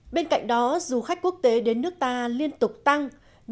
bên cạnh đó du khách quốc tế đến nước ta liên tục tăng